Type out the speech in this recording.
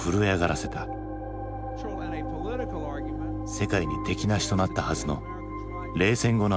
世界に敵なしとなったはずの冷戦後のアメリカ。